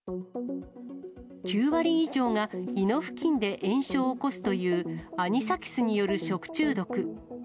９割以上が胃の付近で炎症を起こすというアニサキスによる食中毒。